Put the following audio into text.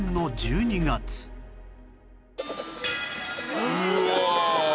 「うわ」